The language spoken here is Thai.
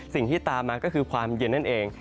สิ่งที่ตามมาก็คือความเย็นนั่นเอง